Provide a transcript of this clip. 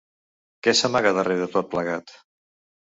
Què s’amaga darrere tot plegat?